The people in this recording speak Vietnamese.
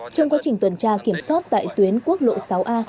trong quá trình tuần tra kiểm soát tại tuyến quốc lộ sáu a